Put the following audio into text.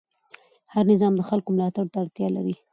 هر نظام د خلکو ملاتړ ته اړتیا لري